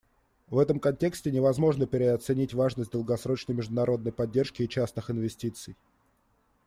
В этом контексте невозможно переоценить важность долгосрочной международной поддержки и частных инвестиций.